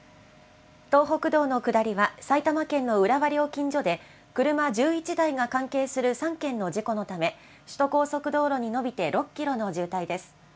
東北道の下りは、埼玉県の浦和料金所で、車１１台が関係する３件の事故のため、首都高速道路に延びて６キロの渋滞です。